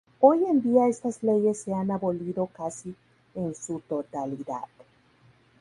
Hoy en día estas leyes se han abolido casi en su totalidad.